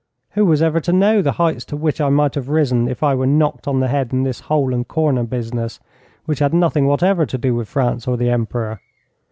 Who was ever to know the heights to which I might have risen if I were knocked on the head in this hole and corner business, which had nothing whatever to do with France or the Emperor?